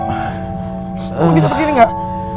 lo bisa begini gak